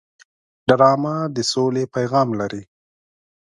ډرامه د سولې پیغام لري